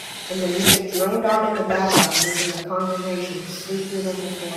And the music droned on in the background making the congregation sleepier than before.